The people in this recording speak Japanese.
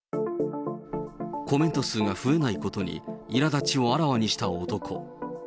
コメント数が増えないことにいらだちをあらわにした男。